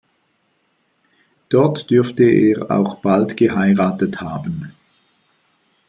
Dort dürfte er auch bald geheiratet haben.